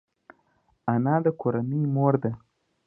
انا د کورنۍ مور ده